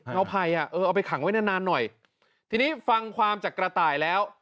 เอาไผ่อ่ะเออเอาไปขังไว้นานนานหน่อยทีนี้ฟังความจากกระต่ายแล้ว